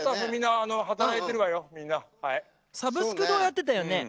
「サブスク堂」やってたよね。